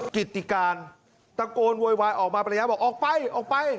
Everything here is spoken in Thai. กิจติการตะโกนโวยวายออกมาประยะบอกออกไปออกไป